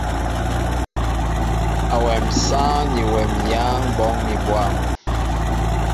Awem sááŋ ni wem yááŋ ɓóoŋ mi bwăm.